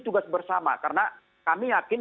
tugas bersama karena kami yakin